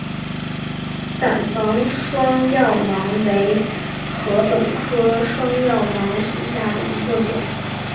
伞房双药芒为禾本科双药芒属下的一个种。